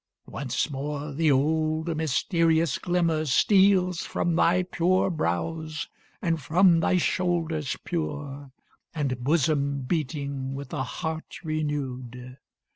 Once more the old mysterious glimmer steals From thy pure brows, and from thy shoulders pure, And bosom beating with a heart renew'd.